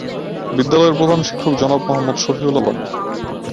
বিদ্যালয়ের প্রধান শিক্ষক জনাব মোহাম্মদ শফিউল আলম।